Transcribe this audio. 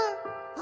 「あ！」